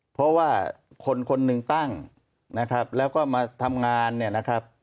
เพราะว่าคนหนึ่งตั้งแล้วก็มาทำงาน